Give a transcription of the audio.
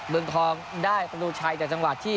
เมืองทองได้ประตูชัยจากจังหวะที่